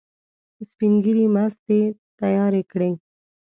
سپین ږیري مستې تیارې کړې.